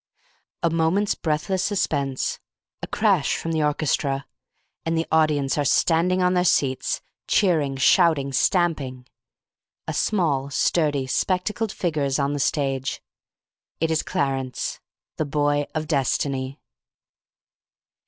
A moment's breathless suspense, a crash from the orchestra, and the audience are standing on their seats, cheering, shouting, stamping. A small sturdy, spectacled figure is on the stage. It is Clarence, the Boy of Destiny.